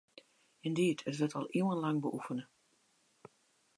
Yndied, it wurdt al iuwenlang beoefene.